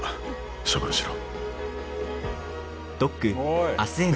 処分しろ。